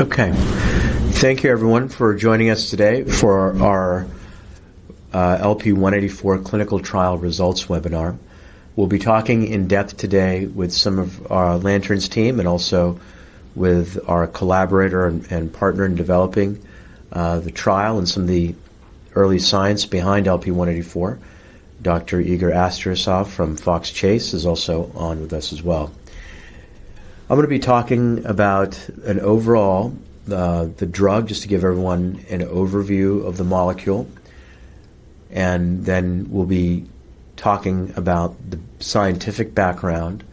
Okay. Thank you, everyone, for joining us today for our LP-184 Clinical Trial Results Webinar. We'll be talking in depth today with some of our Lantern's team and also with our collaborator and partner in developing the trial and some of the early science behind LP-184. Dr. Igor Astsaturov from Fox Chase is also on with us as well. I'm going to be talking about, overall, the drug, just to give everyone an overview of the molecule. Then we'll be talking about the scientific background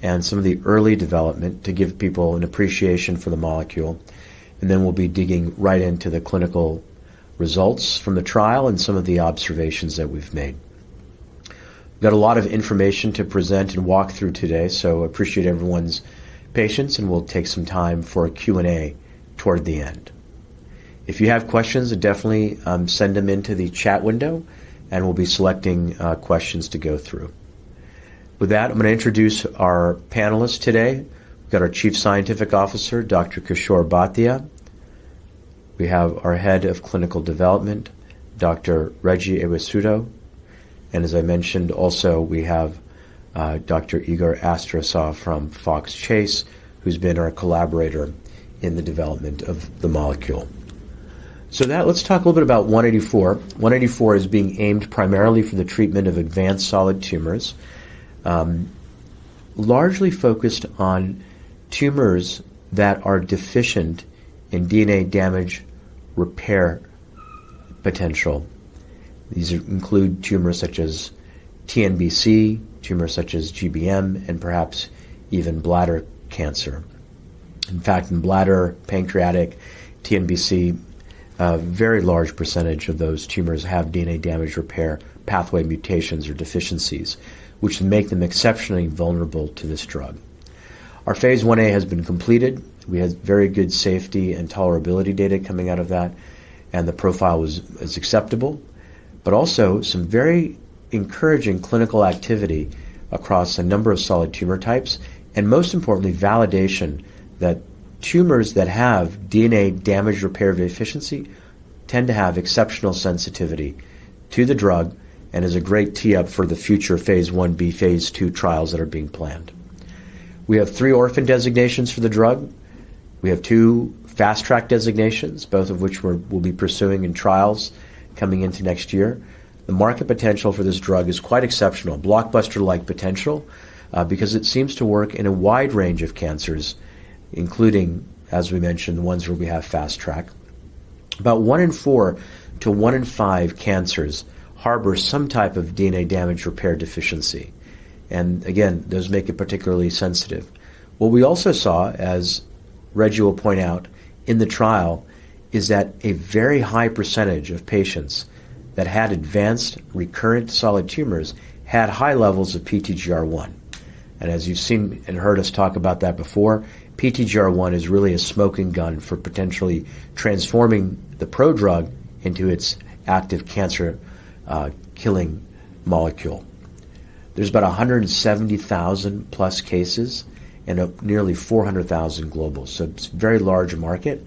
and some of the early development to give people an appreciation for the molecule. Then we'll be digging right into the clinical results from the trial and some of the observations that we've made. We've got a lot of information to present and walk through today, so I appreciate everyone's patience, and we'll take some time for a Q&A toward the end. If you have questions, definitely send them into the chat window, and we'll be selecting questions to go through. With that, I'm going to introduce our panelists today. We've got our Chief Scientific Officer, Dr. Kishor Bhatia. We have our Head of Clinical Development, Dr. Reggie Ewesuedo. As I mentioned, also, we have Dr. Igor Astsaturov from Fox Chase, who's been our collaborator in the development of the molecule. Let's talk a little bit about 184. 184 is being aimed primarily for the treatment of advanced solid tumors, largely focused on tumors that are deficient in DNA damage repair potential. These include tumors such as TNBC, tumors such as GBM, and perhaps even bladder cancer. In fact, in bladder, pancreatic, TNBC, a very large percentage of those tumors have DNA damage repair pathway mutations or deficiencies, which make them exceptionally vulnerable to this drug. Our phase I-A has been completed. We had very good safety and tolerability data coming out of that, and the profile was acceptable. Also, some very encouraging clinical activity across a number of solid tumor types. Most importantly, validation that tumors that have DNA damage repair deficiency tend to have exceptional sensitivity to the drug and is a great tee-up for the future phase I-B, phase II trials that are being planned. We have three orphan designations for the drug. We have two fast-track designations, both of which we'll be pursuing in trials coming into next year. The market potential for this drug is quite exceptional, blockbuster-like potential, because it seems to work in a wide range of cancers, including, as we mentioned, the ones where we have fast-track. About one in four to one in five cancers harbor some type of DNA damage repair deficiency. Those make it particularly sensitive. What we also saw, as Reggie will point out in the trial, is that a very high percentage of patients that had advanced recurrent solid tumors had high levels of PTGR1. As you have seen and heard us talk about that before, PTGR1 is really a smoking gun for potentially transforming the pro-drug into its active cancer-killing molecule. There are about 170,000-plus cases and nearly 400,000 global. It is a very large market.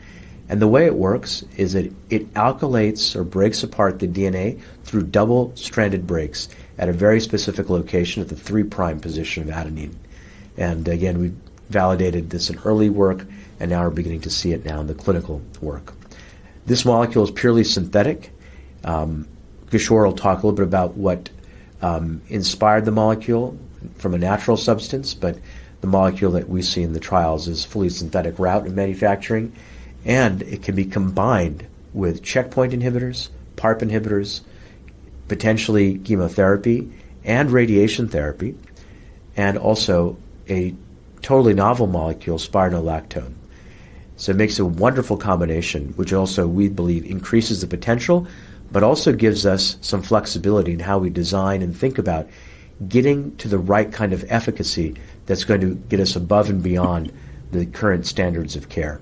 The way it works is that it alkylates or breaks apart the DNA through double-stranded breaks at a very specific location at the three-prime position of adenine. We validated this in early work, and now we are beginning to see it now in the clinical work. This molecule is purely synthetic. Kishor will talk a little bit about what inspired the molecule from a natural substance, but the molecule that we see in the trials is fully synthetic route in manufacturing. It can be combined with checkpoint inhibitors, PARP inhibitors, potentially chemotherapy and radiation therapy, and also a totally novel molecule, Spironolactone. It makes a wonderful combination, which also we believe increases the potential, but also gives us some flexibility in how we design and think about getting to the right kind of efficacy that's going to get us above and beyond the current standards of care.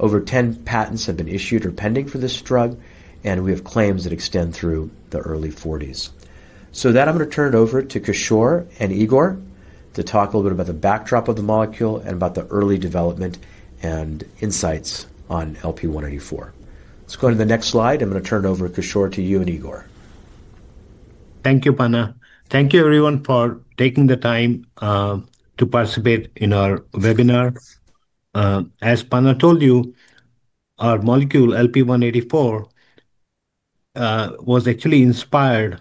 Over 10 patents have been issued or pending for this drug, and we have claims that extend through the early 2040s. With that, I'm going to turn it over to Kishor and Igor to talk a little bit about the backdrop of the molecule and about the early development and insights on LP-184. Let's go to the next slide. I'm going to turn it over, Kishor, to you and Igor. Thank you, Panna. Thank you, everyone, for taking the time to participate in our webinar. As Panna told you, our molecule, LP-184, was actually inspired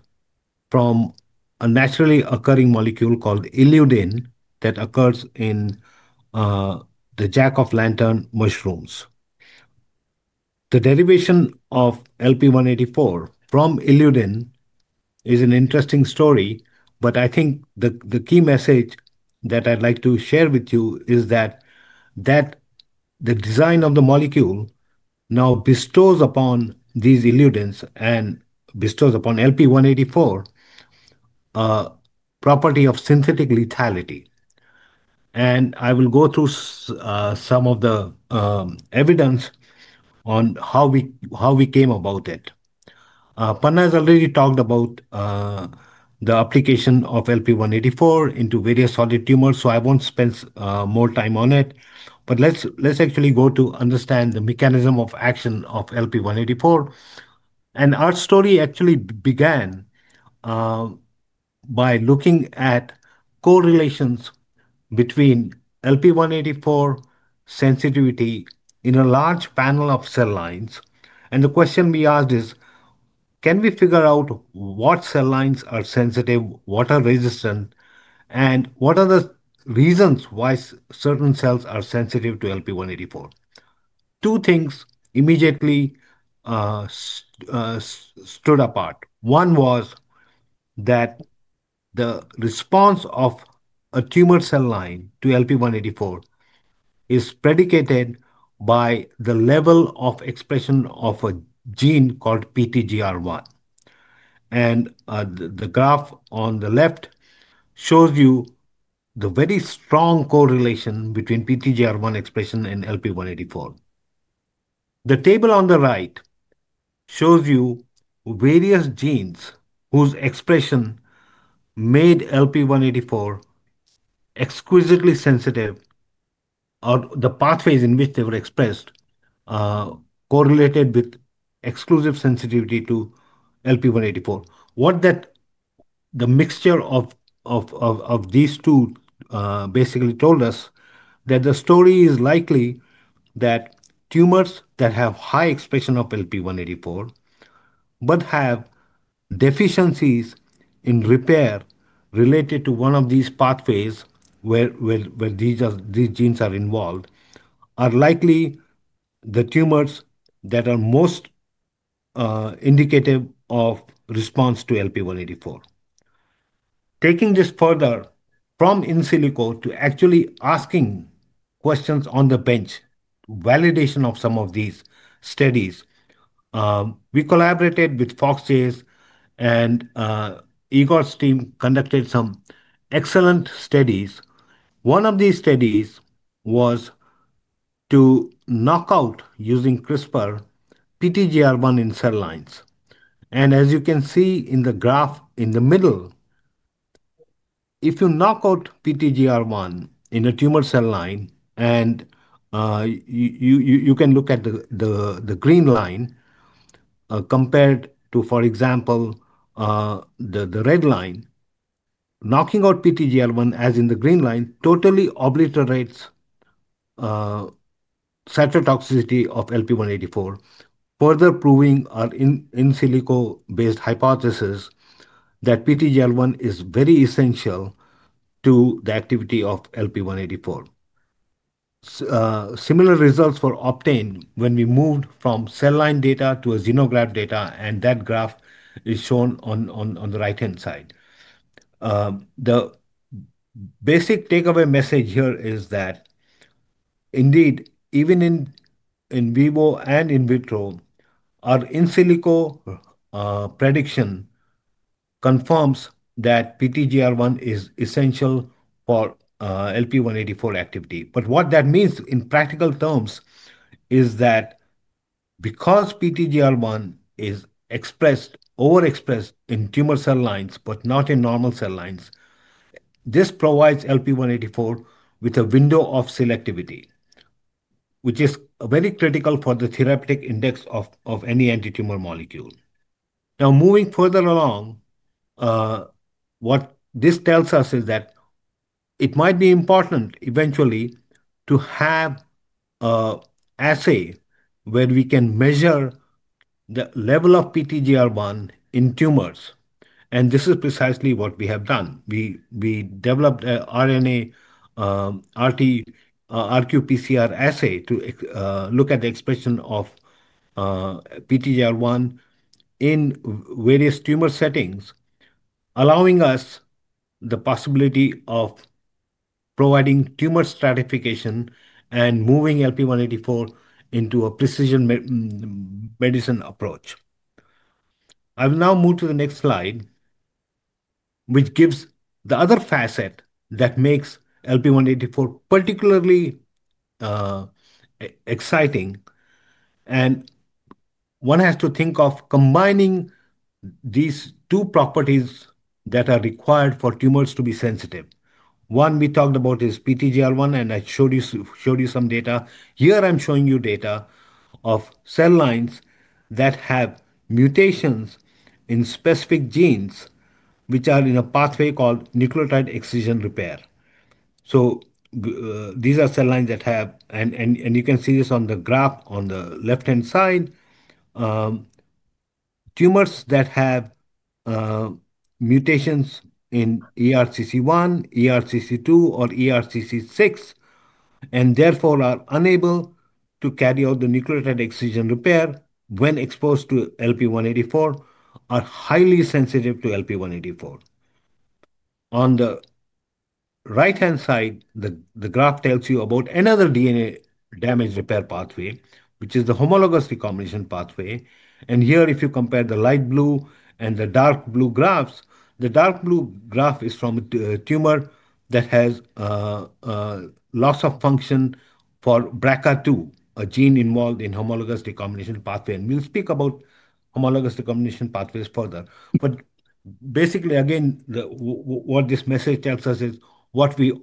from a naturally occurring molecule called illudin that occurs in the Jack of Lantern mushrooms. The derivation of LP-184 from illudin is an interesting story, but I think the key message that I'd like to share with you is that the design of the molecule now bestows upon these illudins and bestows upon LP-184 a property of synthetic lethality. I will go through some of the evidence on how we came about it. Panna has already talked about the application of LP-184 into various solid tumors, so I won't spend more time on it. Let's actually go to understand the mechanism of action of LP-184. Our story actually began by looking at correlations between LP-184 sensitivity in a large panel of cell lines. The question we asked is, can we figure out what cell lines are sensitive, what are resistant, and what are the reasons why certain cells are sensitive to LP-184? Two things immediately stood apart. One was that the response of a tumor cell line to LP-184 is predicated by the level of expression of a gene called PTGR1. The graph on the left shows you the very strong correlation between PTGR1 expression and LP-184. The table on the right shows you various genes whose expression made LP-184 exquisitely sensitive, or the pathways in which they were expressed correlated with exclusive sensitivity to LP-184. What the mixture of these two basically told us is that the story is likely that tumors that have high expression of LP-184 but have deficiencies in repair related to one of these pathways where these genes are involved are likely the tumors that are most indicative of response to LP-184. Taking this further from in silico to actually asking questions on the bench, validation of some of these studies, we collaborated with Fox Chase, and Igor's team conducted some excellent studies. One of these studies was to knock out, using CRISPR, PTGR1 in cell lines. As you can see in the graph in the middle, if you knock out PTGR1 in a tumor cell line, and you can look at the green line compared to, for example, the red line, knocking out PTGR1 as in the green line totally obliterates cytotoxicity of LP-184, further proving our in silico-based hypothesis that PTGR1 is very essential to the activity of LP-184. Similar results were obtained when we moved from cell line data to a xenograft data, and that graph is shown on the right-hand side. The basic takeaway message here is that, indeed, even in vivo and in vitro, our in silico prediction confirms that PTGR1 is essential for LP-184 activity. What that means in practical terms is that because PTGR1 is overexpressed in tumor cell lines but not in normal cell lines, this provides LP-184 with a window of selectivity, which is very critical for the therapeutic index of any anti-tumor molecule. Now, moving further along, what this tells us is that it might be important eventually to have an assay where we can measure the level of PTGR1 in tumors. This is precisely what we have done. We developed an RNA RT RQPCR assay to look at the expression of PTGR1 in various tumor settings, allowing us the possibility of providing tumor stratification and moving LP-184 into a precision medicine approach. I will now move to the next slide, which gives the other facet that makes LP-184 particularly exciting. One has to think of combining these two properties that are required for tumors to be sensitive. One we talked about is PTGR1, and I showed you some data. Here, I'm showing you data of cell lines that have mutations in specific genes which are in a pathway called nucleotide excision repair. These are cell lines that have—and you can see this on the graph on the left-hand side—tumors that have mutations in ERCC1, ERCC2, or ERCC6, and therefore are unable to carry out the nucleotide excision repair when exposed to LP-184, are highly sensitive to LP-184. On the right-hand side, the graph tells you about another DNA damage repair pathway, which is the homologous recombination pathway. If you compare the light blue and the dark blue graphs, the dark blue graph is from a tumor that has loss of function for BRCA2, a gene involved in homologous recombination pathway. We'll speak about homologous recombination pathways further. Basically, again, what this message tells us is what we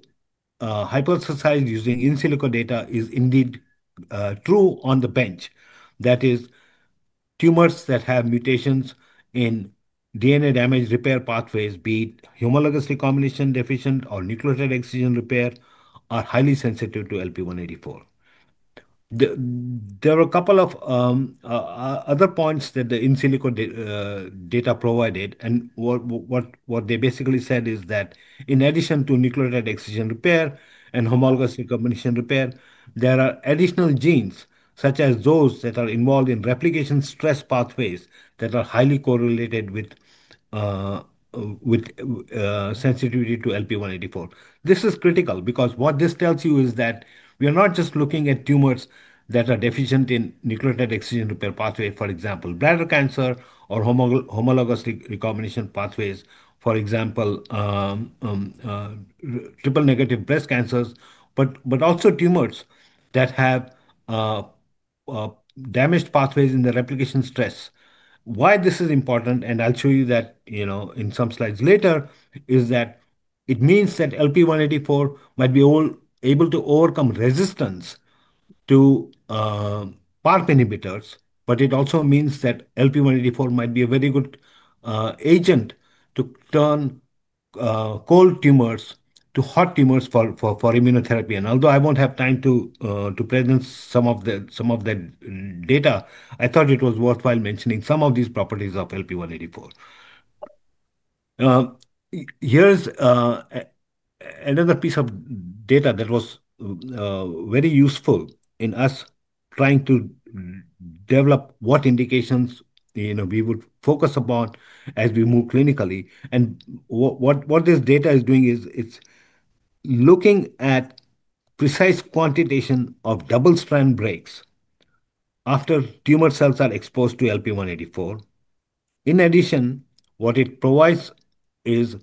hypothesized using in silico data is indeed true on the bench. That is, tumors that have mutations in DNA damage repair pathways, be it homologous recombination deficient or nucleotide excision repair, are highly sensitive to LP-184. There were a couple of other points that the in silico data provided. What they basically said is that in addition to nucleotide excision repair and homologous recombination repair, there are additional genes, such as those that are involved in replication stress pathways, that are highly correlated with sensitivity to LP-184. This is critical because what this tells you is that we are not just looking at tumors that are deficient in nucleotide excision repair pathway, for example, bladder cancer or homologous recombination pathways, for example, triple-negative breast cancers, but also tumors that have damaged pathways in the replication stress. Why this is important, and I'll show you that in some slides later, is that it means that LP-184 might be able to overcome resistance to PARP inhibitors. It also means that LP-184 might be a very good agent to turn cold tumors to hot tumors for immunotherapy. Although I won't have time to present some of the data, I thought it was worthwhile mentioning some of these properties of LP-184. Here's another piece of data that was very useful in us trying to develop what indications we would focus upon as we move clinically. What this data is doing is it's looking at precise quantitation of double-strand breaks after tumor cells are exposed to LP-184. In addition, what it provides is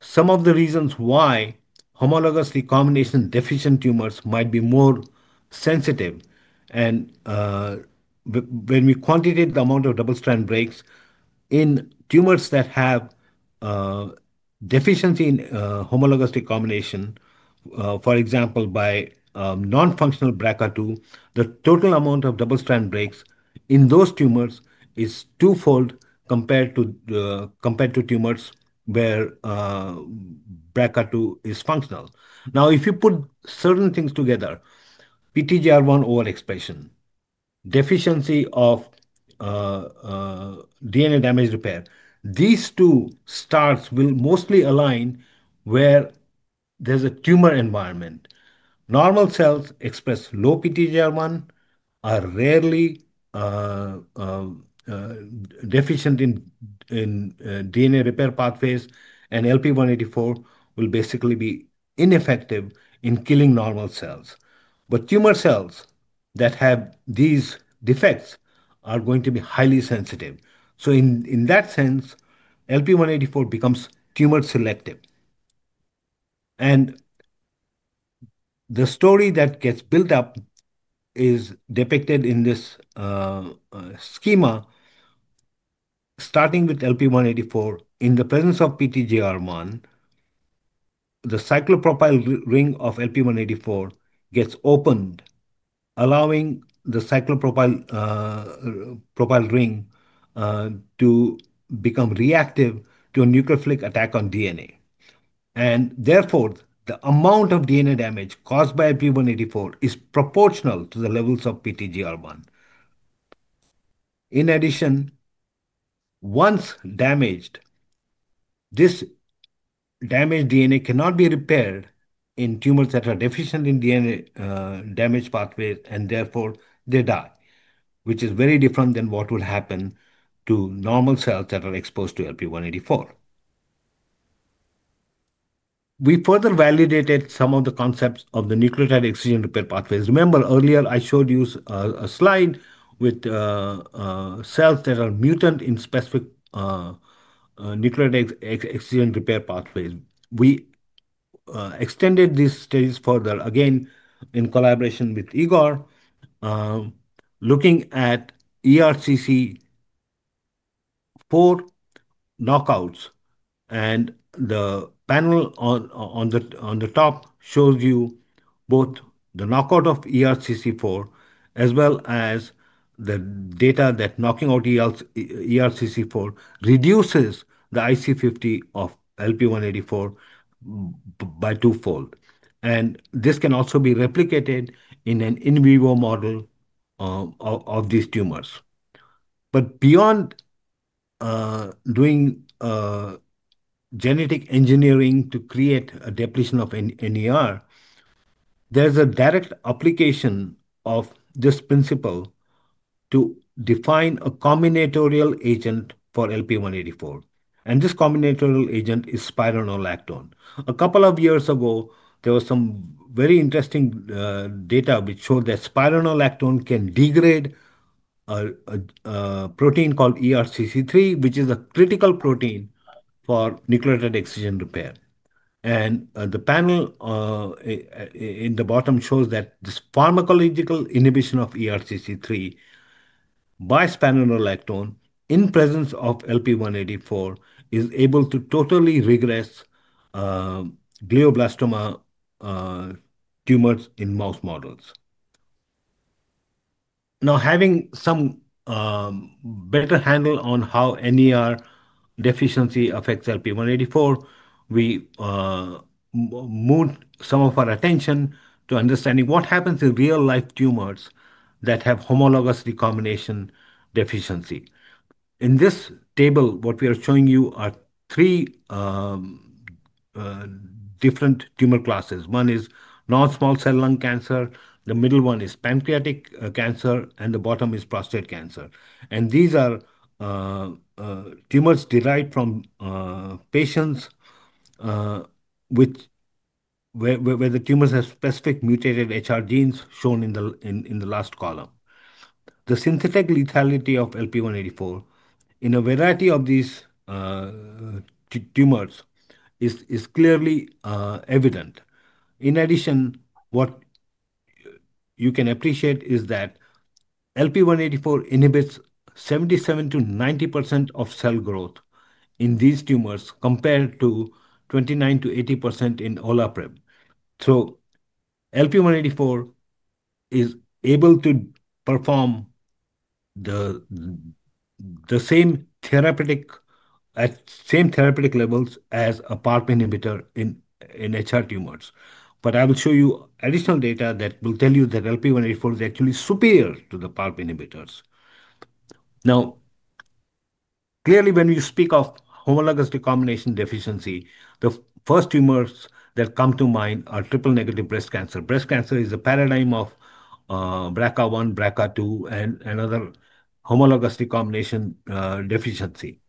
some of the reasons why homologous recombination deficient tumors might be more sensitive. When we quantitate the amount of double-strand breaks in tumors that have deficiency in homologous recombination, for example, by nonfunctional BRCA2, the total amount of double-strand breaks in those tumors is twofold compared to tumors where BRCA2 is functional. If you put certain things together, PTGR1 overexpression, deficiency of DNA damage repair, these two stars will mostly align where there is a tumor environment. Normal cells express low PTGR1, are rarely deficient in DNA repair pathways, and LP-184 will basically be ineffective in killing normal cells. Tumor cells that have these defects are going to be highly sensitive. In that sense, LP-184 becomes tumor selective. The story that gets built up is depicted in this schema. Starting with LP-184, in the presence of PTGR1, the cyclopropyl ring of LP-184 gets opened, allowing the cyclopropyl ring to become reactive to a nucleophilic attack on DNA. Therefore, the amount of DNA damage caused by LP-184 is proportional to the levels of PTGR1. In addition, once damaged, this damaged DNA cannot be repaired in tumors that are deficient in DNA damage pathways, and therefore, they die, which is very different than what would happen to normal cells that are exposed to LP-184. We further validated some of the concepts of the nucleotide excision repair pathways. Remember, earlier, I showed you a slide with cells that are mutant in specific nucleotide excision repair pathways. We extended these studies further, again, in collaboration with Igor, looking at ERCC4 knockouts. The panel on the top shows you both the knockout of ERCC4 as well as the data that knocking out ERCC4 reduces the IC50 of LP-184 by twofold. This can also be replicated in an in vivo model of these tumors. Beyond doing genetic engineering to create a depletion of NER, there's a direct application of this principle to define a combinatorial agent for LP-184. This combinatorial agent is Spironolactone. A couple of years ago, there was some very interesting data which showed that Spironolactone can degrade a protein called ERCC3, which is a critical protein for nucleotide excision repair. The panel in the bottom shows that this pharmacological inhibition of ERCC3 by Spironolactone in presence of LP-184 is able to totally regress glioblastoma tumors in mouse models. Now, having some better handle on how NER deficiency affects LP-184, we moved some of our attention to understanding what happens in real-life tumors that have homologous recombination deficiency. In this table, what we are showing you are three different tumor classes. One is non-small cell lung cancer. The middle one is pancreatic cancer, and the bottom is prostate cancer. These are tumors derived from patients where the tumors have specific mutated HR genes shown in the last column. The synthetic lethality of LP-184 in a variety of these tumors is clearly evident. In addition, what you can appreciate is that LP-184 inhibits 77%-90% of cell growth in these tumors compared to 29%-80% in Olaparib. LP-184 is able to perform the same therapeutic levels as a PARP inhibitor in HR tumors. I will show you additional data that will tell you that LP-184 is actually superior to the PARP inhibitors. Now, clearly, when we speak of homologous recombination deficiency, the first tumors that come to mind are triple-negative breast cancer. Breast cancer is a paradigm of BRCA1, BRCA2, and other homologous recombination deficiency.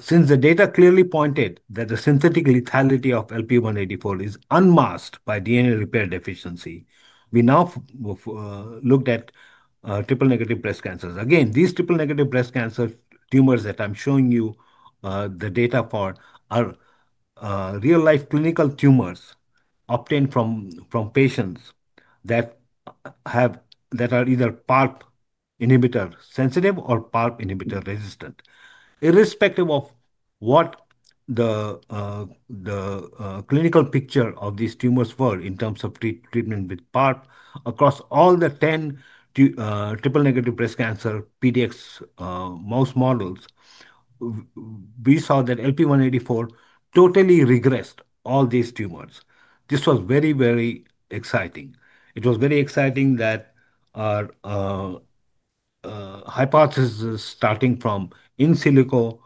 Since the data clearly pointed that the synthetic lethality of LP-184 is unmasked by DNA repair deficiency, we now looked at triple-negative breast cancers. Again, these triple-negative breast cancer tumors that I'm showing you the data for are real-life clinical tumors obtained from patients that are either PARP inhibitor sensitive or PARP inhibitor resistant. Irrespective of what the clinical picture of these tumors were in terms of treatment with PARP, across all the 10 triple-negative breast cancer PDX mouse models, we saw that LP-184 totally regressed all these tumors. This was very, very exciting. It was very exciting that our hypothesis, starting from in silico,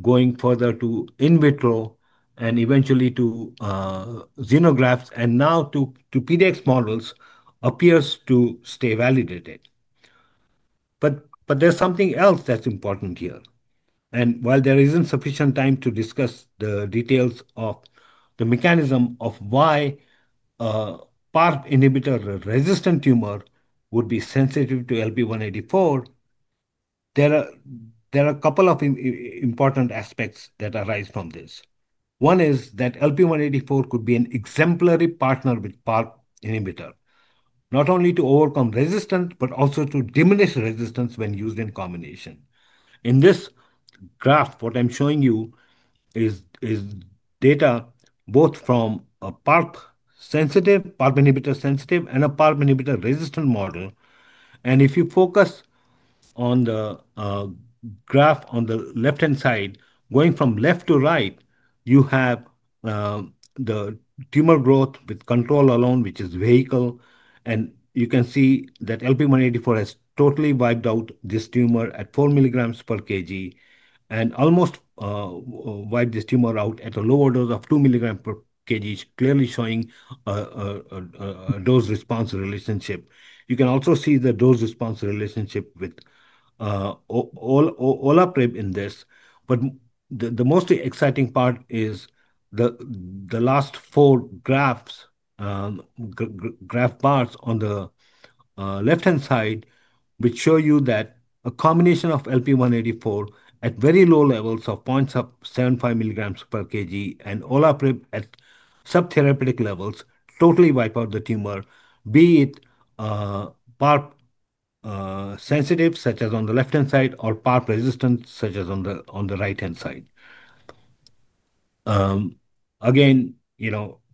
going further to in vitro and eventually to xenografts and now to PDX models, appears to stay validated. There is something else that's important here. While there isn't sufficient time to discuss the details of the mechanism of why PARP inhibitor-resistant tumor would be sensitive to LP-184, there are a couple of important aspects that arise from this. One is that LP-184 could be an exemplary partner with PARP inhibitor, not only to overcome resistance, but also to diminish resistance when used in combination. In this graph, what I'm showing you is data both from a PARP-sensitive, PARP inhibitor-sensitive, and a PARP inhibitor-resistant model. If you focus on the graph on the left-hand side, going from left to right, you have the tumor growth with control alone, which is vehicle. You can see that LP-184 has totally wiped out this tumor at 4 milligrams per kg and almost wiped this tumor out at a lower dose of 2 milligrams per kg, clearly showing a dose-response relationship. You can also see the dose-response relationship with olaprib in this. The most exciting part is the last four graph bars on the left-hand side, which show you that a combination of LP-184 at very low levels of 0.75 milligrams per kg and Olaparib at subtherapeutic levels totally wipe out the tumor, be it PARP-sensitive, such as on the left-hand side, or PARP-resistant, such as on the right-hand side. Again,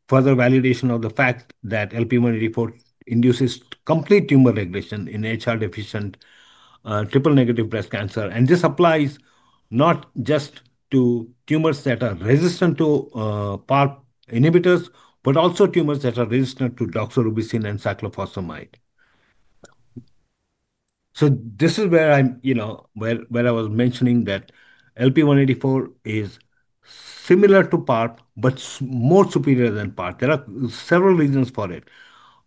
further validation of the fact that LP-184 induces complete tumor regression in HR-deficient triple-negative breast cancer. This applies not just to tumors that are resistant to PARP inhibitors, but also tumors that are resistant to doxorubicin and cyclophosphamide. This is where I was mentioning that LP-184 is similar to PARP, but more superior than PARP. There are several reasons for it.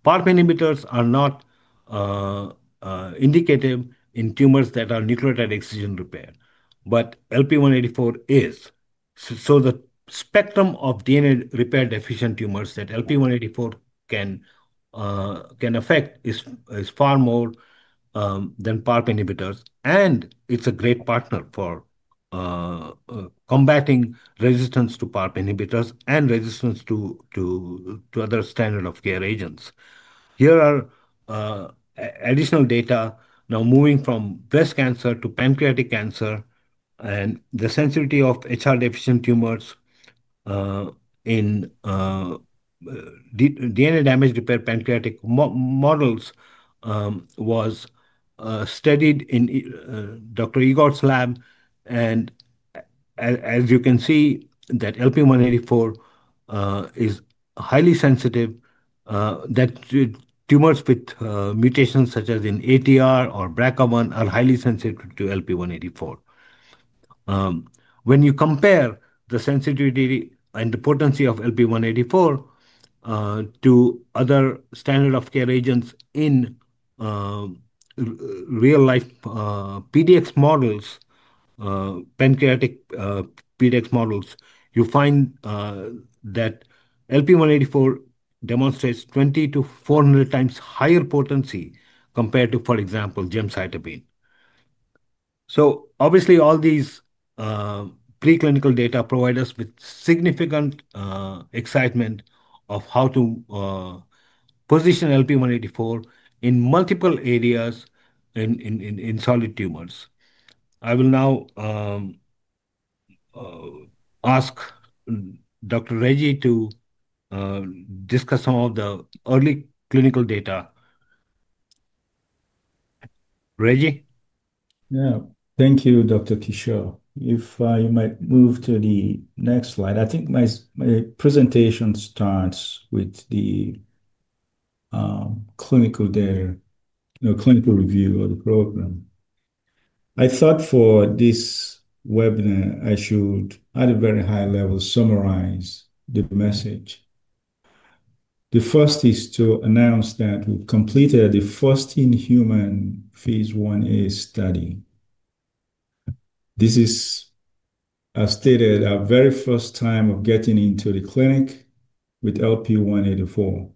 PARP inhibitors are not indicative in tumors that are nucleotide excision repair, but LP-184 is. The spectrum of DNA repair-deficient tumors that LP-184 can affect is far more than PARP inhibitors. It is a great partner for combating resistance to PARP inhibitors and resistance to other standard of care agents. Here are additional data. Now, moving from breast cancer to pancreatic cancer, and the sensitivity of HR-deficient tumors in DNA damage-repair pancreatic models was studied in Dr. Igor's lab. As you can see, LP-184 is highly sensitive, and tumors with mutations such as in ATR or BRCA1 are highly sensitive to LP-184. When you compare the sensitivity and the potency of LP-184 to other standard of care agents in real-life PDX models, pancreatic PDX models, you find that LP-184 demonstrates 20x-400x higher potency compared to, for example, gemcitabine. Obviously, all these preclinical data provide us with significant excitement of how to position LP-184 in multiple areas in solid tumors. I will now ask Dr. Reggie to discuss some of the early clinical data. Reggie? Yeah. Thank you, Dr. Kishor. If you might move to the next slide. I think my presentation starts with the clinical review of the program. I thought for this webinar, I should, at a very high level, summarize the message. The first is to announce that we've completed the first in-human phase I-A study. This is, as stated, our very first time of getting into the clinic with LP-184.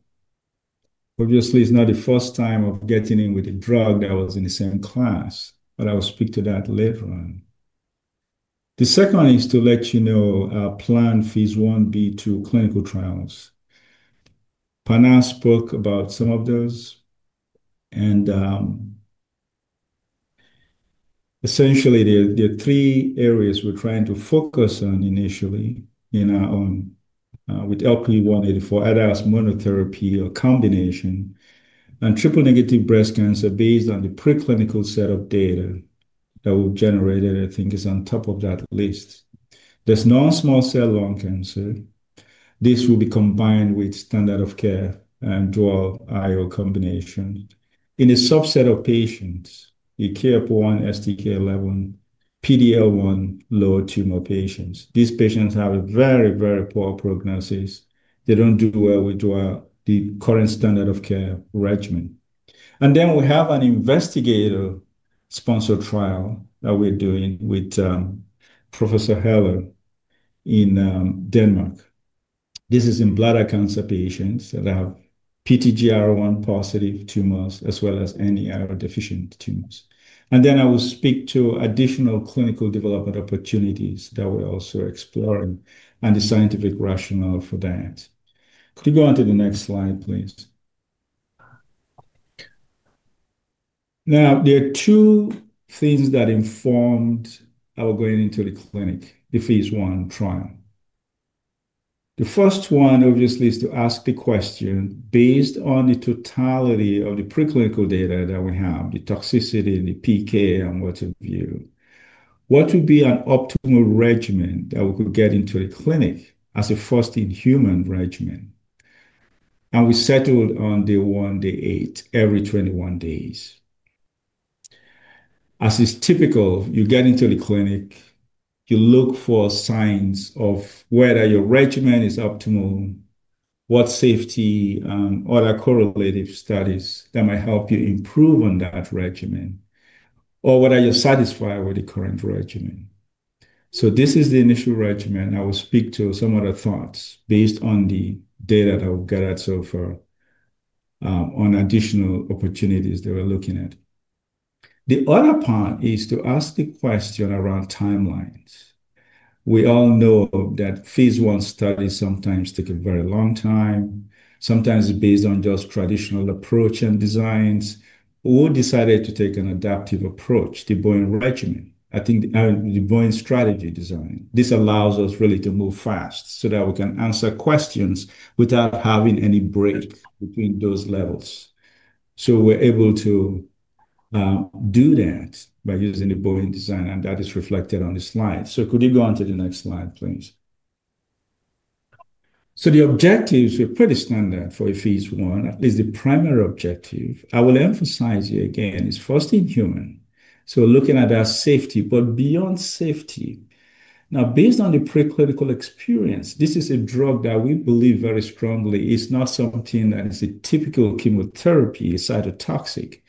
Obviously, it's not the first time of getting in with a drug that was in the same class, but I will speak to that later on. The second is to let you know our plan, phase I-B, to clinical trials. Panna spoke about some of those. Essentially, there are three areas we're trying to focus on initially with LP-184 advanced monotherapy or combination and triple-negative breast cancer based on the preclinical set of data that we've generated, I think, is on top of that list. There's non-small cell lung cancer. This will be combined with standard of care and dual IO combination in a subset of patients, UAF1, SDK11, PD-L1 lower tumor patients. These patients have a very, very poor prognosis. They don't do well with the current standard of care regimen. We have an investigator-sponsored trial that we're doing with Professor Helle in Denmark. This is in bladder cancer patients that have PTGR1 positive tumors as well as NER-deficient tumors. I will speak to additional clinical development opportunities that we're also exploring and the scientific rationale for that. Could you go on to the next slide, please? There are two things that informed our going into the clinic, the phase I trial. The first one, obviously, is to ask the question, based on the totality of the preclinical data that we have, the toxicity and the PK and what have you, what would be an optimal regimen that we could get into the clinic as a first in-human regimen? We settled on day one, day eight, every 21 days. As is typical, you get into the clinic, you look for signs of whether your regimen is optimal, what safety, other correlative studies that might help you improve on that regimen, or whether you're satisfied with the current regimen. This is the initial regimen. I will speak to some of the thoughts based on the data that we've gathered so far on additional opportunities that we're looking at. The other part is to ask the question around timelines. We all know that phase I studies sometimes take a very long time, sometimes based on just traditional approach and designs. We decided to take an adaptive approach, the Bayesian regimen, I think, the Bayesian strategy design. This allows us really to move fast so that we can answer questions without having any break between those levels. We are able to do that by using the Bayesian design, and that is reflected on the slide. Could you go on to the next slide, please? The objectives are pretty standard for phase I, at least the primary objective. I will emphasize here again, it's first in human. Looking at our safety, but beyond safety. Now, based on the preclinical experience, this is a drug that we believe very strongly is not something that is a typical chemotherapy, cytotoxic,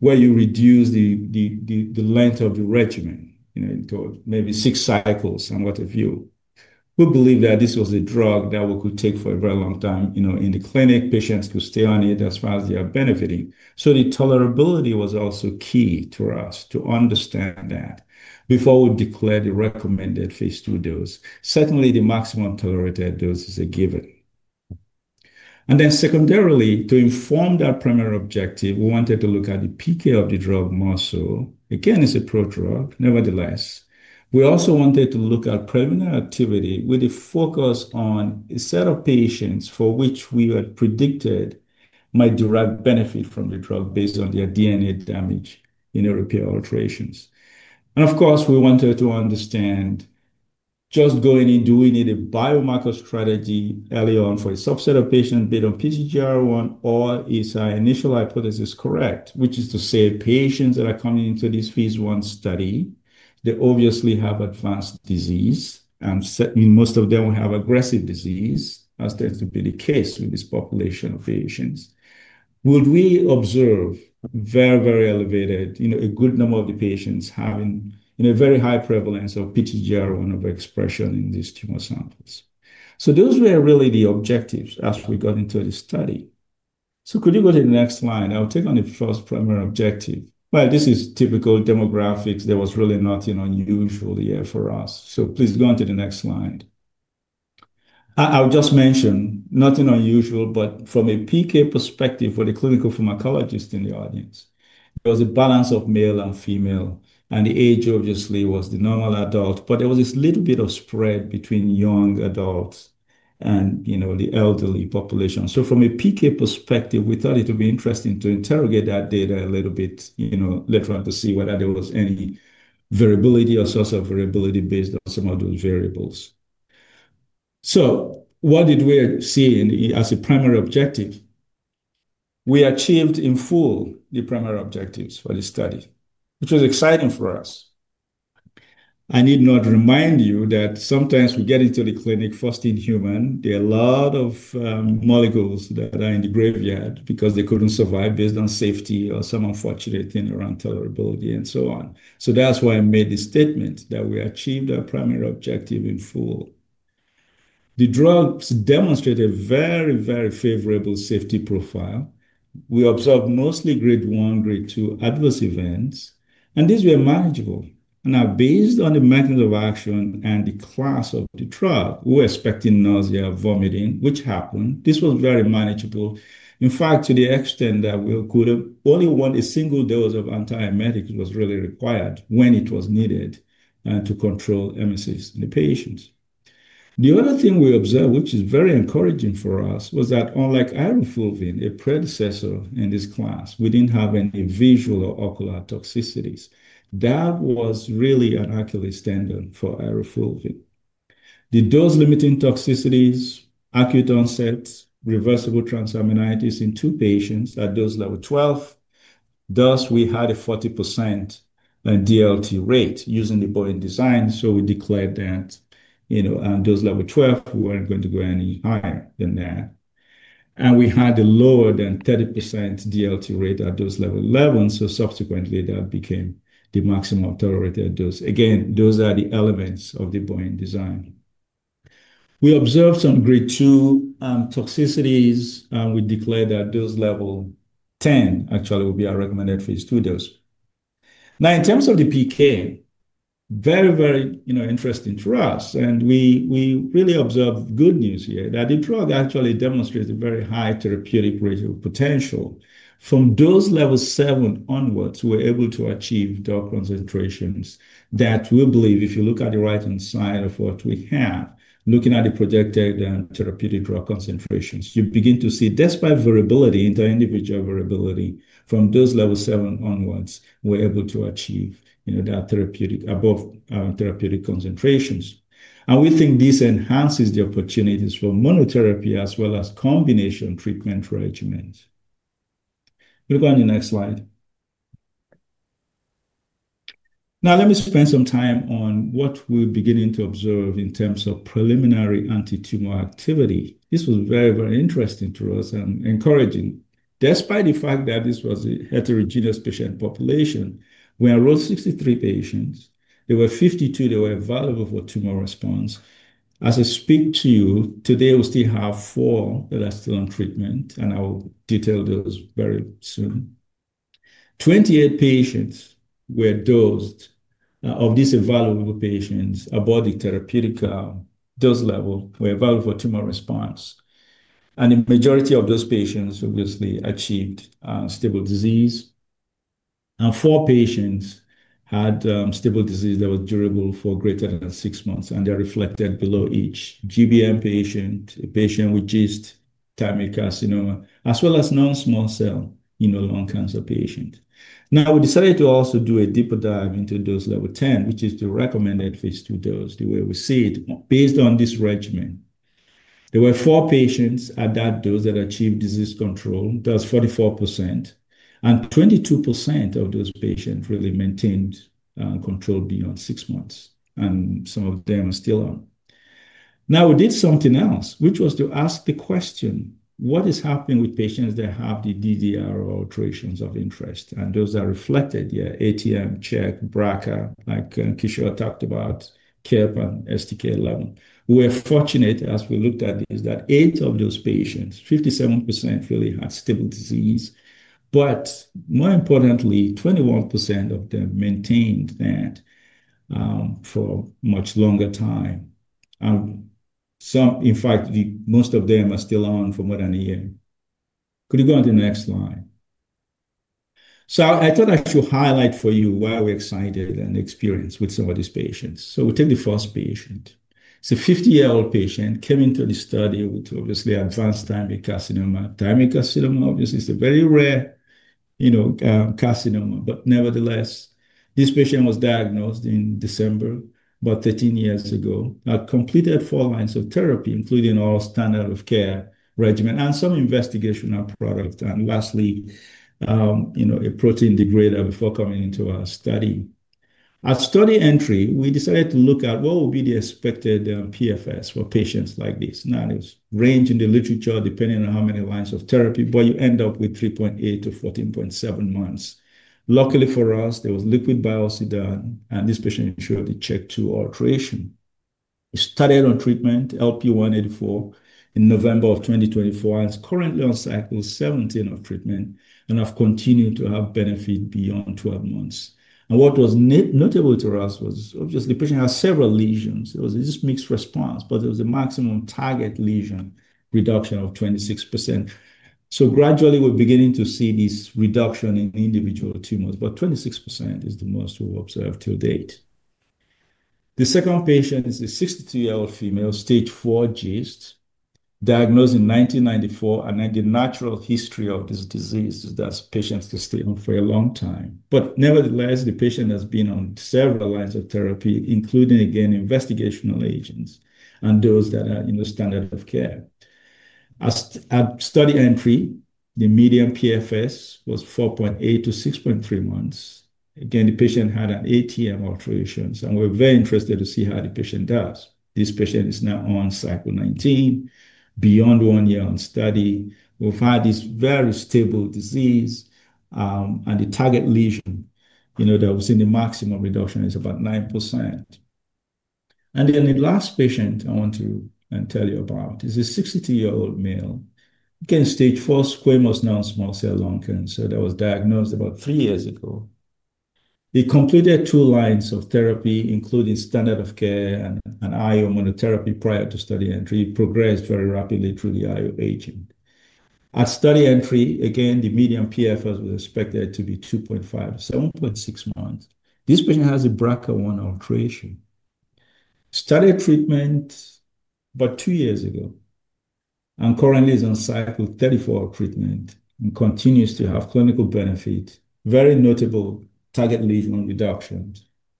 where you reduce the length of the regimen to maybe six cycles and what have you. We believe that this was a drug that we could take for a very long time in the clinic. Patients could stay on it as far as they are benefiting. The tolerability was also key to us to understand that before we declared the recommended Phase II dose. Certainly, the maximum tolerated dose is a given. Secondarily, to inform that primary objective, we wanted to look at the PK of the drug more so. Again, it's a pro drug, nevertheless. We also wanted to look at preliminary activity with a focus on a set of patients for which we had predicted might derive benefit from the drug based on their DNA damage in their repair alterations. Of course, we wanted to understand just going in, do we need a biomarker strategy early on for a subset of patients based on PTGR1, or is our initial hypothesis correct, which is to say patients that are coming into this phase I study, they obviously have advanced disease, and most of them will have aggressive disease, as tends to be the case with this population of patients. Would we observe very, very elevated, a good number of the patients having a very high prevalence of PTGR1 of expression in these tumor samples? Those were really the objectives as we got into the study. Could you go to the next slide? I'll take on the first primary objective. This is typical demographics. There was really nothing unusual here for us. Please go on to the next slide. I'll just mention nothing unusual, but from a PK perspective for the clinical pharmacologist in the audience, there was a balance of male and female, and the age obviously was the normal adult, but there was this little bit of spread between young adults and the elderly population. From a PK perspective, we thought it would be interesting to interrogate that data a little bit later on to see whether there was any variability or source of variability based on some of those variables. What did we see as a primary objective? We achieved in full the primary objectives for the study, which was exciting for us. I need not remind you that sometimes we get into the clinic first in human. There are a lot of molecules that are in the graveyard because they couldn't survive based on safety or some unfortunate thing around tolerability and so on. That is why I made the statement that we achieved our primary objective in full. The drugs demonstrated a very, very favorable safety profile. We observed mostly Grade 1, Grade 2 adverse events, and these were manageable. Now, based on the mechanism of action and the class of the drug, we were expecting nausea, vomiting, which happened. This was very manageable. In fact, to the extent that we could have only wanted a single dose of antiemetics was really required when it was needed to control emesis in the patients. The other thing we observed, which is very encouraging for us, was that unlike Irofulven, a predecessor in this class, we did not have any visual or ocular toxicities. That was really an accolade standard for Irofulven. The dose-limiting toxicities, acute onsets, reversible transaminitis in two patients at dose level 12. Thus, we had a 40% DLT rate using the BOIN design. We declared that at dose level 12, we were not going to go any higher than that. We had a lower than 30% DLT rate at dose level 11. Subsequently, that became the maximum tolerated dose. Again, those are the elements of the BOIN design. We observed some Grade 2 toxicities. We declared that dose level 10 actually would be our recommended Phase II dose. Now, in terms of the PK, very, very interesting for us. We really observed good news here that the drug actually demonstrated a very high therapeutic rate of potential. From dose level 7 onwards, we were able to achieve drug concentrations that we believe, if you look at the right-hand side of what we have, looking at the projected therapeutic drug concentrations, you begin to see despite variability, inter-individual variability, from dose level 7 onwards, we're able to achieve that therapeutic above therapeutic concentrations. We think this enhances the opportunities for monotherapy as well as combination treatment regimens. We'll go on to the next slide. Now, let me spend some time on what we're beginning to observe in terms of preliminary anti-tumor activity. This was very, very interesting to us and encouraging. Despite the fact that this was a heterogeneous patient population, we enrolled 63 patients. There were 52 that were available for tumor response. As I speak to you today, we still have four that are still on treatment, and I will detail those very soon. Twenty-eight patients were dosed. Of these, available patients above the therapeutic dose level were available for tumor response. The majority of those patients, obviously, achieved stable disease. Four patients had stable disease that was durable for greater than six months, and they're reflected below: each GBM patient, a patient with GIST, thymic carcinoma, as well as non-small cell lung cancer patient. Now, we decided to also do a deeper dive into dose level 10, which is the recommended phase II dose, the way we see it based on this regimen. There were four patients at that dose that achieved disease control, thus 44%. Twenty-two percent of those patients really maintained control beyond six months, and some of them are still on. Now, we did something else, which was to ask the question, what is happening with patients that have the DDR alterations of interest? Those are reflected here, ATM, CHEK2, BRCA, like Kishor talked about, KEAP1, STK11. We were fortunate, as we looked at this, that eight of those patients, 57%, really had stable disease. More importantly, 21% of them maintained that for much longer time. Some, in fact, most of them are still on for more than a year. Could you go on to the next slide? I thought I should highlight for you why we're excited and experienced with some of these patients. We take the first patient. It's a 50-year-old patient who came into the study with obviously advanced thymic carcinoma. Thymic carcinoma, obviously, is a very rare carcinoma, but nevertheless, this patient was diagnosed in December, about 13 years ago, had completed four lines of therapy, including our standard of care regimen and some investigational product. Lastly, a protein degrader before coming into our study. At study entry, we decided to look at what would be the expected PFS for patients like this. Now, it's ranged in the literature depending on how many lines of therapy, but you end up with 3.8-14.7 months. Luckily for us, there was liquid biopsy done, and this patient showed a CHEK2 alteration. We started on treatment, LP-184, in November of 2024, and is currently on cycle 17 of treatment and have continued to have benefit beyond 12 months. What was notable to us was, obviously, the patient has several lesions. It was just mixed response, but it was a maximum target lesion reduction of 26%. Gradually, we're beginning to see this reduction in individual tumors, but 26% is the most we've observed till date. The second patient is a 62-year-old female, stage 4 GIST, diagnosed in 1994, and had the natural history of this disease that patients stay on for a long time. Nevertheless, the patient has been on several lines of therapy, including, again, investigational agents and those that are in the standard of care. At study entry, the median PFS was 4.8 months-6.3 months. Again, the patient had an ATM alterations, and we're very interested to see how the patient does. This patient is now on cycle 19, beyond one year on study. We've had this very stable disease, and the target lesion that was in the maximum reduction is about 9%. The last patient I want to tell you about is a 62-year-old male, again, stage 4 squamous non-small cell lung cancer that was diagnosed about three years ago. He completed two lines of therapy, including standard of care and IO monotherapy prior to study entry. He progressed very rapidly through the IO agent. At study entry, again, the median PFS was expected to be 2.5-7.6 months. This patient has a BRCA1 alteration. Started treatment about two years ago and currently is on cycle 34 of treatment and continues to have clinical benefit, very notable target lesion reduction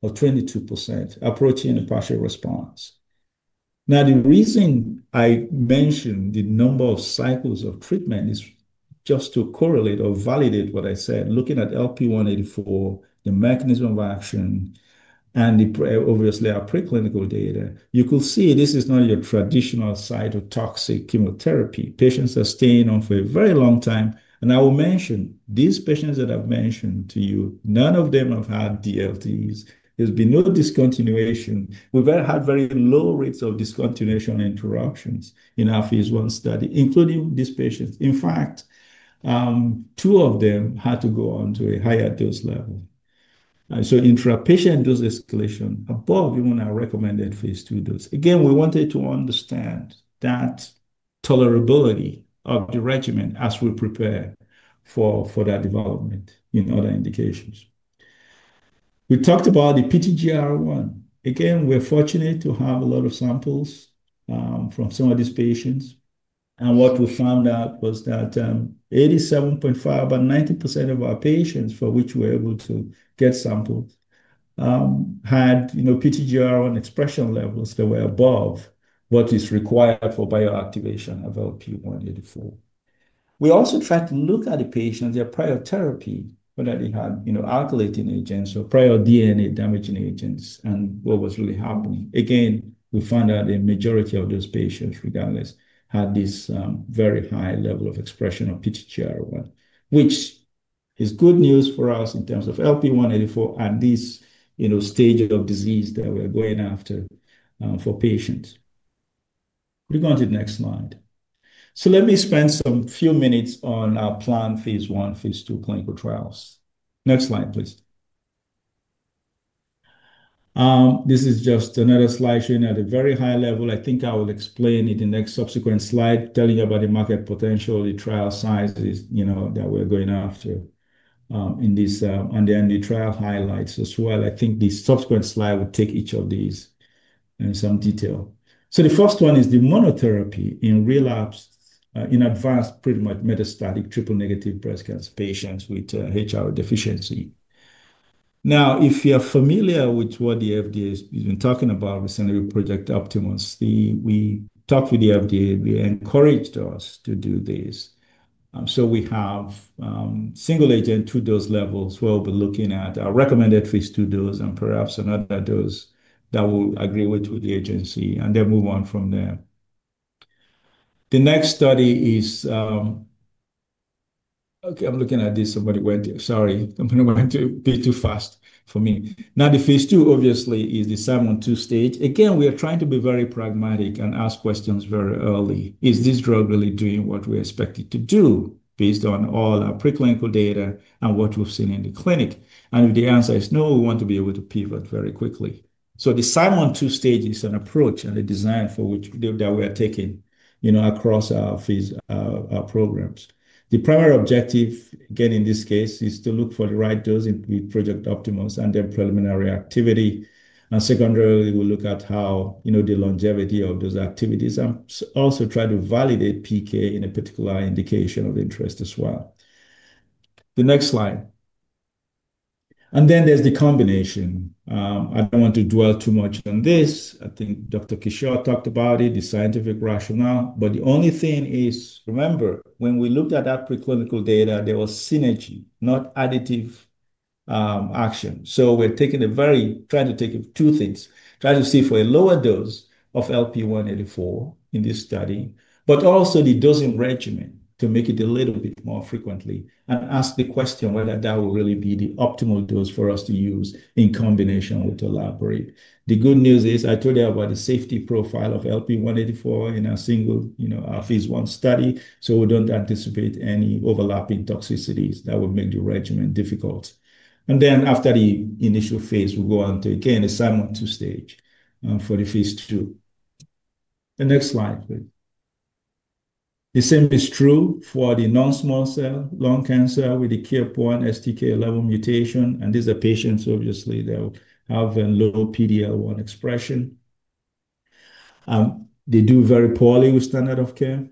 of 22%, approaching a partial response. Now, the reason I mentioned the number of cycles of treatment is just to correlate or validate what I said, looking at LP-184, the mechanism of action, and obviously our preclinical data, you could see this is not your traditional cytotoxic chemotherapy. Patients are staying on for a very long time. I will mention these patients that I've mentioned to you, none of them have had DLTs. There's been no discontinuation. We've had very low rates of discontinuation interruptions in our phase I study, including these patients. In fact, two of them had to go on to a higher dose level. In patient dose escalation above even our recommended phase II dose, we wanted to understand that tolerability of the regimen as we prepare for that development in other indications. We talked about the PTGR1. We are fortunate to have a lot of samples from some of these patients. What we found out was that 87.5%, about 90% of our patients for which we were able to get samples had PTGR1 expression levels that were above what is required for bioactivation of LP-184. We also tried to look at the patients, their prior therapy, whether they had alkylating agents or prior DNA damaging agents and what was really happening. Again, we found out the majority of those patients, regardless, had this very high level of expression of PTGR1, which is good news for us in terms of LP-184 and this stage of disease that we're going after for patients. Could you go on to the next slide? Let me spend some few minutes on our planned phase I, phase II clinical trials. Next slide, please. This is just another slide showing at a very high level. I think I will explain it in the next subsequent slide, telling you about the market potential, the trial sizes that we're going after in this on the end of the trial highlights as well. I think the subsequent slide will take each of these in some detail. The first one is the monotherapy in relapse, in advanced, pretty much metastatic triple negative breast cancer patients with HR deficiency. If you're familiar with what the FDA has been talking about recently with Project Optimus, we talked with the FDA. They encouraged us to do this. We have single agent two-dose levels. We'll be looking at our recommended phase II dose and perhaps another dose that we'll agree with the agency and then move on from there. The next study is, okay, I'm looking at this. Somebody went to, sorry, somebody went to be too fast for me. The phase II obviously is the Simon two-stage. Again, we are trying to be very pragmatic and ask questions very early. Is this drug really doing what we expected it to do based on all our preclinical data and what we've seen in the clinic? If the answer is no, we want to be able to pivot very quickly. The Simon two-stage is an approach and a design that we are taking across our programs. The primary objective, again, in this case, is to look for the right dose with Project Optimus and then preliminary activity. Secondarily, we'll look at the longevity of those activities and also try to validate PK in a particular indication of interest as well. The next slide. There is the combination. I do not want to dwell too much on this. I think Dr. Kishor talked about it, the scientific rationale. The only thing is, remember, when we looked at that preclinical data, there was synergy, not additive action. We're taking a very, trying to take two things. Try to see for a lower dose of LP-184 in this study, but also the dosing regimen to make it a little bit more frequently and ask the question whether that will really be the optimal dose for us to use in combination with the lab rate. The good news is I told you about the safety profile of LP-184 in our single phase I study. We do not anticipate any overlapping toxicities that would make the regimen difficult. After the initial phase, we'll go on to, again, the Simon two-stage for the phase II. The next slide, please. The same is true for the non-small cell lung cancer with the KEAP1 STK11 mutation. These are patients, obviously, that have a low PDL1 expression. They do very poorly with standard of care.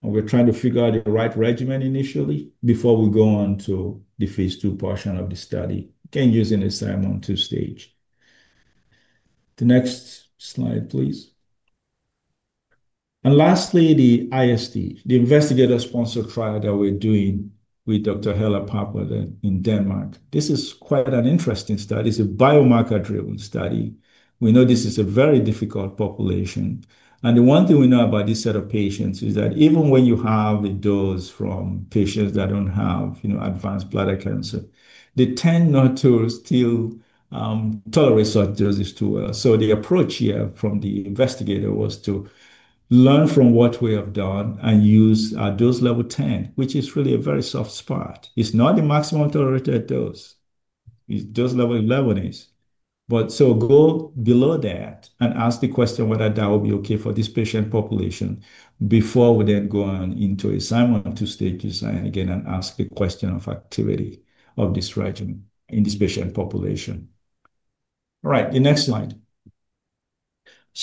We're trying to figure out the right regimen initially before we go on to the phase II portion of the study, again, using the Simon two-stage. The next slide, please. Lastly, the IST, the investigator-sponsored trial that we're doing with Dr. Helle Pappot in Denmark. This is quite an interesting study. It's a biomarker-driven study. We know this is a very difficult population. The one thing we know about this set of patients is that even when you have the dose from patients that don't have advanced bladder cancer, they tend not to still tolerate such doses too well. The approach here from the investigator was to learn from what we have done and use a dose level 10, which is really a very soft spot. It's not the maximum tolerated dose. Dose level 11 is. Go below that and ask the question whether that will be okay for this patient population before we then go on into a Simon II stage design again and ask the question of activity of this regimen in this patient population. All right, the next slide.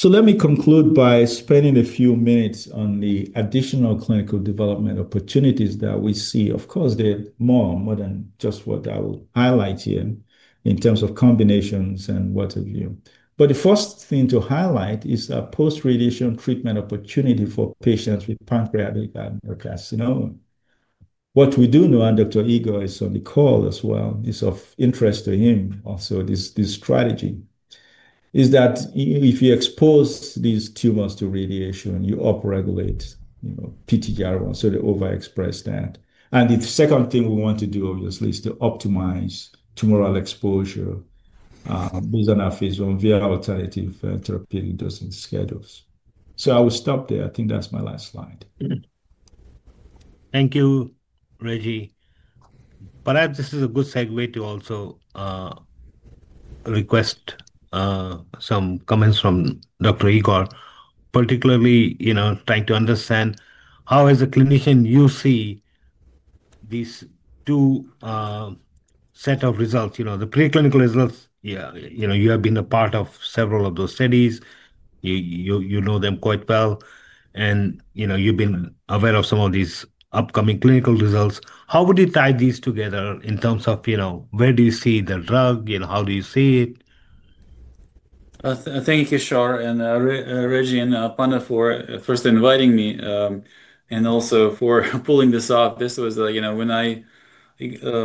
Let me conclude by spending a few minutes on the additional clinical development opportunities that we see. Of course, there is more than just what I will highlight here in terms of combinations and what have you. The first thing to highlight is a post-radiation treatment opportunity for patients with pancreatic adenocarcinoma. What we do know, and Dr. Igor is on the call as well, is of interest to him. This strategy is that if you expose these tumors to radiation, you upregulate PTGR1, so they overexpress that. The second thing we want to do, obviously, is to optimize tumoral exposure based on our phase I via alternative therapeutic dosing schedules. I will stop there. I think that's my last slide. Thank you, Reggie. Perhaps this is a good segue to also request some comments from Dr. Igor, particularly trying to understand how, as a clinician, you see these two set of results. The preclinical results, you have been a part of several of those studies. You know them quite well. And you've been aware of some of these upcoming clinical results. How would you tie these together in terms of where do you see the drug? How do you see it? Thank you, Kishor and Reggie and Panna for first inviting me and also for pulling this off. This was when I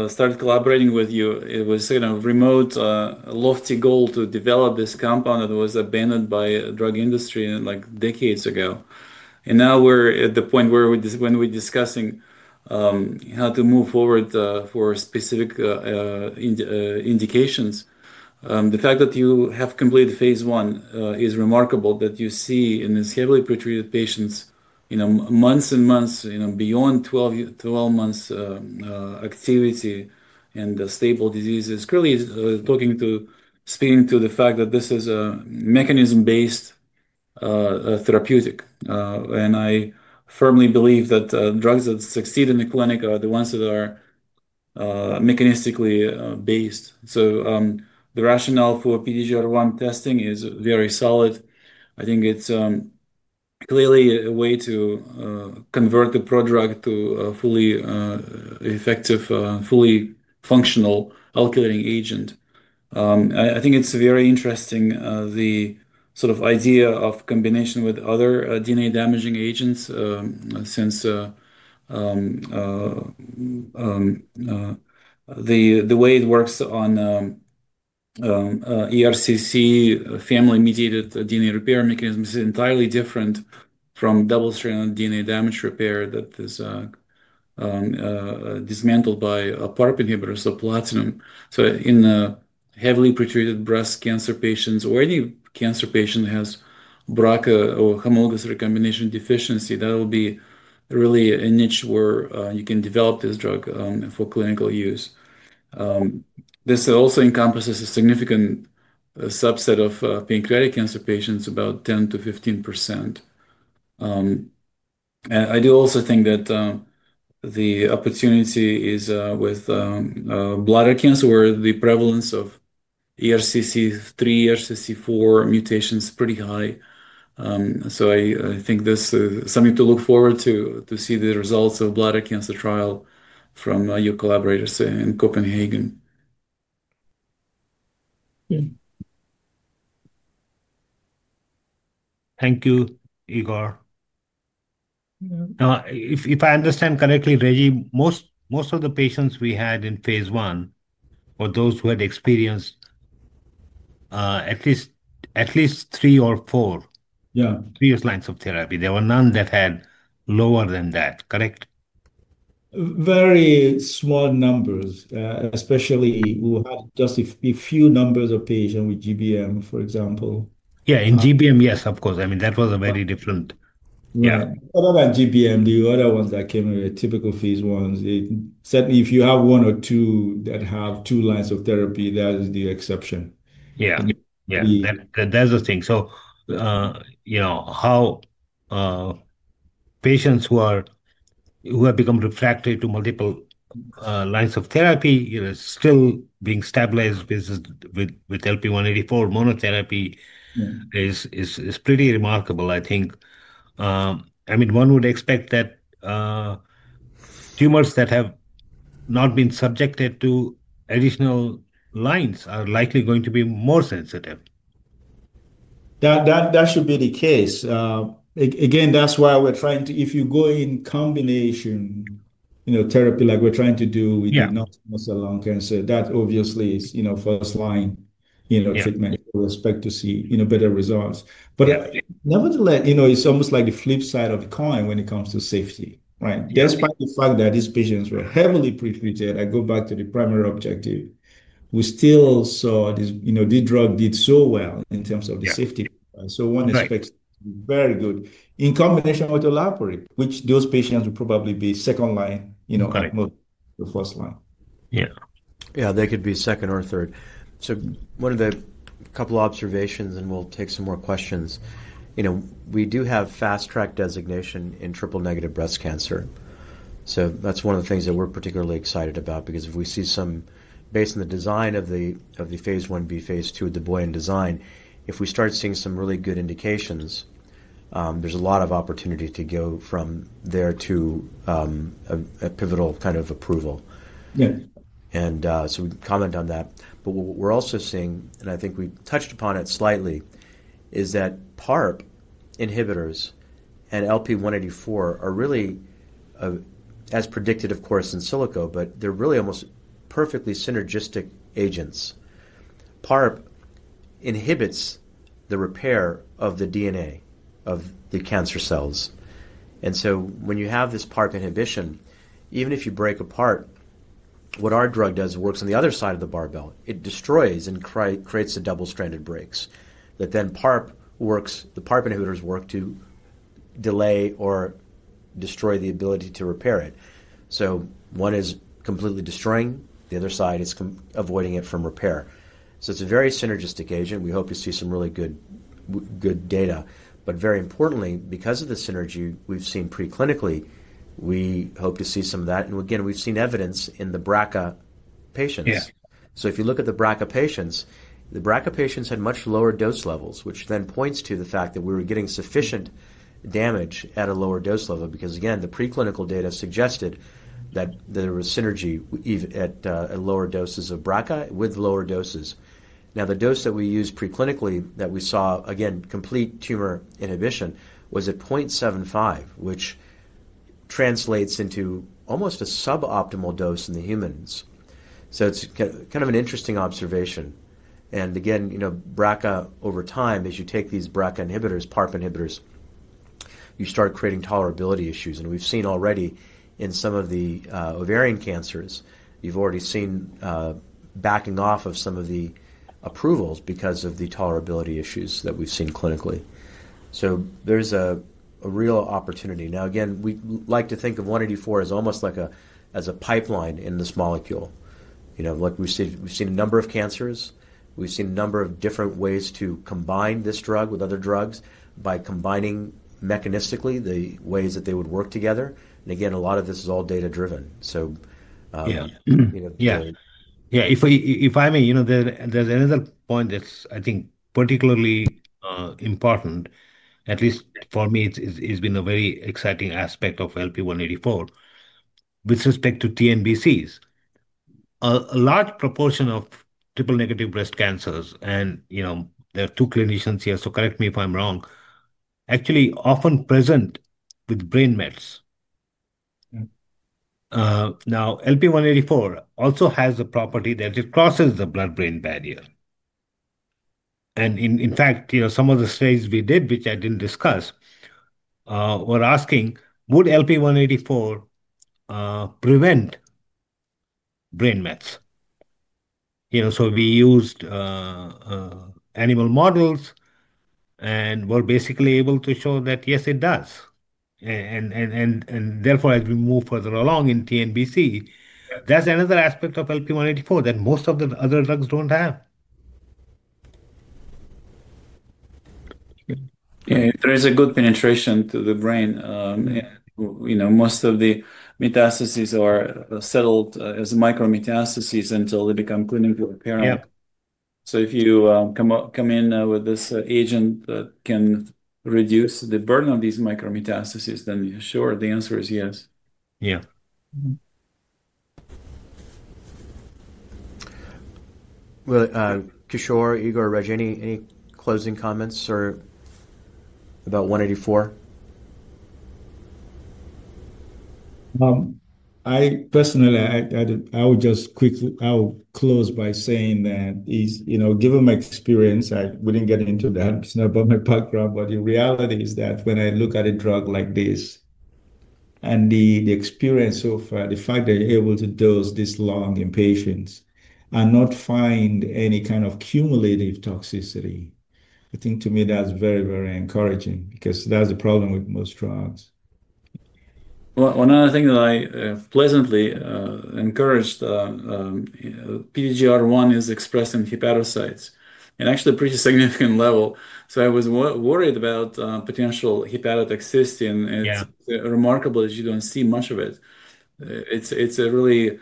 started collaborating with you, it was a remote, lofty goal to develop this compound that was abandoned by the drug industry decades ago. Now we're at the point where when we're discussing how to move forward for specific indications, the fact that you have completed phase I is remarkable, that you see in these heavily pretreated patients months and months, beyond 12 months activity and stable diseases. Clearly, speaking to the fact that this is a mechanism-based therapeutic. I firmly believe that drugs that succeed in the clinic are the ones that are mechanistically based. The rationale for PTGR1 testing is very solid. I think it's clearly a way to convert the prodrug to a fully effective, fully functional alkylating agent. I think it's very interesting, the sort of idea of combination with other DNA damaging agents since the way it works on ERCC family-mediated DNA repair mechanisms is entirely different from double-stranded DNA damage repair that is dismantled by a PARP inhibitor, so platinum. In heavily pretreated breast cancer patients or any cancer patient that has BRCA or homologous recombination deficiency, that will be really a niche where you can develop this drug for clinical use. This also encompasses a significant subset of pancreatic cancer patients, about 10%-15%. I do also think that the opportunity is with bladder cancer where the prevalence of ERCC3, ERCC4 mutations is pretty high. I think this is something to look forward to, to see the results of bladder cancer trial from your collaborators in Copenhagen. Thank you, Igor. If I understand correctly, most of the patients we had in phase I were those who had experienced at least three or four previous lines of therapy. There were none that had lower than that, correct? Very small numbers, especially we had just a few numbers of patients with GBM, for example. Yeah, in GBM, yes, of course. I mean, that was a very different. Yeah, what about GBM? The other ones that came with typical phase Is, certainly if you have one or two that have two lines of therapy, that is the exception. Yeah, that's the thing. How patients who have become refractory to multiple lines of therapy still being stabilized with LP-184 monotherapy is pretty remarkable, I think. I mean, one would expect that tumors that have not been subjected to additional lines are likely going to be more sensitive. That should be the case. Again, that's why we're trying to, if you go in combination therapy like we're trying to do with non-small cell lung cancer, that obviously is first-line treatment. We expect to see better results. Nevertheless, it's almost like the flip side of the coin when it comes to safety, right? Despite the fact that these patients were heavily pretreated, I go back to the primary objective. We still saw this drug did so well in terms of the safety. One expects to be very good in combination with Olaparib, which those patients would probably be second line, most of the first line. Yeah. Yeah, they could be second or third. One of the couple of observations, and we'll take some more questions. We do have fast-track designation in triple negative breast cancer. That's one of the things that we're particularly excited about because if we see some, based on the design of the phase I-B, phase II, the BOIN design, if we start seeing some really good indications, there's a lot of opportunity to go from there to a pivotal kind of approval. We comment on that. What we're also seeing, and I think we touched upon it slightly, is that PARP inhibitors and LP-184 are really, as predicted, of course, in silico, but they're really almost perfectly synergistic agents. PARP inhibits the repair of the DNA of the cancer cells. When you have this PARP inhibition, even if you break apart, what our drug does works on the other side of the barbell. It destroys and creates the double-stranded breaks that then PARP works, the PARP inhibitors work to delay or destroy the ability to repair it. One is completely destroying. The other side is avoiding it from repair. It is a very synergistic agent. We hope to see some really good data. Very importantly, because of the synergy we have seen preclinically, we hope to see some of that. Again, we have seen evidence in the BRCA patients. If you look at the BRCA patients, the BRCA patients had much lower dose levels, which then points to the fact that we were getting sufficient damage at a lower dose level because, again, the preclinical data suggested that there was synergy at lower doses of BRCA with lower doses. Now, the dose that we used preclinically that we saw, again, complete tumor inhibition was at 0.75, which translates into almost a suboptimal dose in the humans. It is kind of an interesting observation. Again, BRCA over time, as you take these BRCA inhibitors, PARP inhibitors, you start creating tolerability issues. We have seen already in some of the ovarian cancers, you have already seen backing off of some of the approvals because of the tolerability issues that we have seen clinically. There is a real opportunity. We like to think of 184 as almost like a pipeline in this molecule. We have seen a number of cancers. We have seen a number of different ways to combine this drug with other drugs by combining mechanistically the ways that they would work together. A lot of this is all data-driven. Yeah. Yeah. If I may, there's another point that's, I think, particularly important, at least for me, it's been a very exciting aspect of LP-184 with respect to TNBCs. A large proportion of triple negative breast cancers, and there are two clinicians here, so correct me if I'm wrong, actually often present with brain mets. Now, LP-184 also has a property that it crosses the blood-brain barrier. In fact, some of the studies we did, which I didn't discuss, were asking, would LP-184 prevent brain mets? We used animal models and were basically able to show that, yes, it does. Therefore, as we move further along in TNBC, that's another aspect of LP-184 that most of the other drugs don't have. Yeah, there is a good penetration to the brain. Most of the metastases are settled as micrometastases until they become clinically apparent. If you come in with this agent that can reduce the burden of these micrometastases, then sure, the answer is yes. Yeah. Kishor, Igor, Reggie, any closing comments about 184? I personally, I will just quickly close by saying that given my experience, I wouldn't get into that. It's not about my background. The reality is that when I look at a drug like this and the experience of the fact that you're able to dose this long in patients and not find any kind of cumulative toxicity, I think to me, that's very, very encouraging because that's the problem with most drugs. One other thing that I am pleasantly encouraged, PTGR1 is expressed in hepatocytes and actually a pretty significant level. I was worried about potential hepatotoxicity. It's remarkable that you don't see much of it. It's a really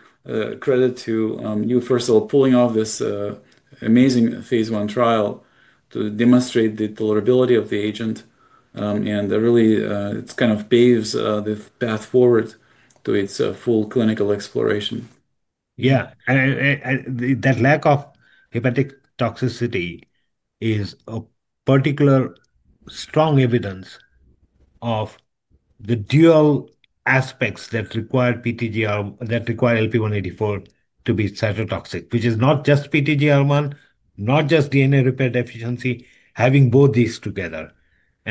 credit to you, first of all, pulling off this amazing phase I trial to demonstrate the tolerability of the agent. It kind of paves the path forward to its full clinical exploration. Yeah. That lack of hepatic toxicity is a particular strong evidence of the dual aspects that require PTGR, that require LP-184 to be cytotoxic, which is not just PTGR1, not just DNA repair deficiency, having both these together.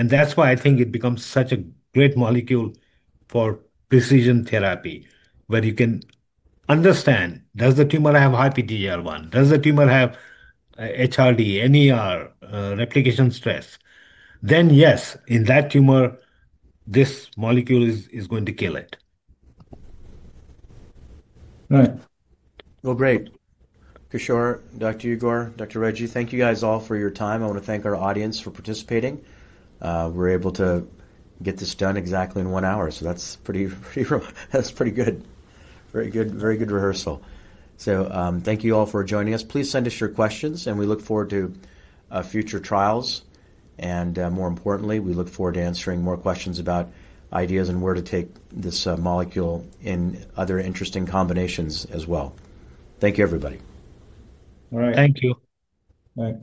That's why I think it becomes such a great molecule for precision therapy where you can understand, does the tumor have high PTGR1? Does the tumor have HRD, NER, replication stress? Then yes, in that tumor, this molecule is going to kill it. Right. Great. Kishor, Dr. Igor, Dr. Reggie, thank you guys all for your time. I want to thank our audience for participating. We're able to get this done exactly in one hour. That's pretty good. Very good rehearsal. Thank you all for joining us. Please send us your questions, and we look forward to future trials. More importantly, we look forward to answering more questions about ideas and where to take this molecule in other interesting combinations as well. Thank you, everybody. All right. Thank you. Thanks.